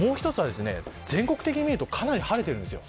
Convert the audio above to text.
全国的に見るとかなり晴れています。